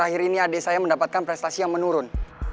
akhir ini adik saya mendapatkan prestasi yang menurun